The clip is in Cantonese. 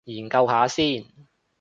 研究下先